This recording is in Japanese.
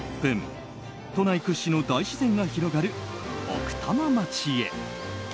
都内屈指の大自然が広がる奥多摩町へ。